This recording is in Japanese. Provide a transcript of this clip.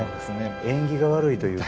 縁起が悪いというか。